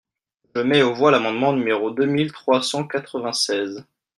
Je mets aux voix l’amendement numéro deux mille trois cent quatre-vingt-seize.